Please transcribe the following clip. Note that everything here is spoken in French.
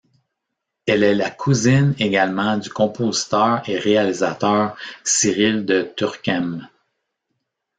Elle est la cousine, également, du compositeur et réalisateur Cyril de Turckheim.